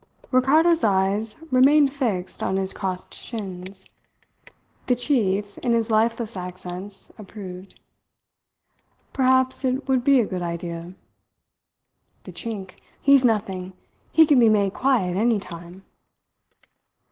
Ricardo's eyes remained fixed on his crossed shins. The chief, in his lifeless accents, approved. "Perhaps it would be a good idea." "The Chink, he's nothing. He can be made quiet any time."